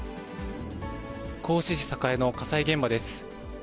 合志市栄の火災現場です。